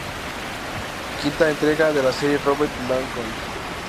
Quinta entrega de la serie Robert Langdon.